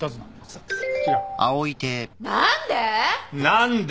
何で！？